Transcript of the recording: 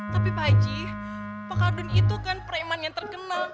tapi pak haji pak kardon itu kan preman yang terkenal